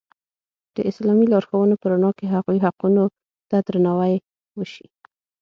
د اسلامي لارښوونو په رڼا کې هغوی حقونو ته درناوی وشي.